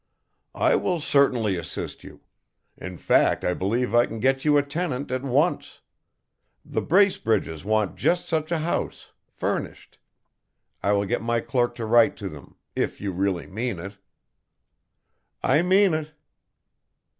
"I will certainly assist you. In fact I believe I can get you a tenant at once. The Bracebridges want just such a house, furnished. I will get my clerk to write to them if you really mean it." "I mean it."